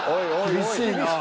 厳しいな。